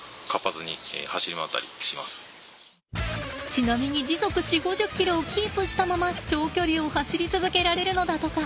ちなみに時速４０５０ｋｍをキープしたまま長距離を走り続けられるのだとか。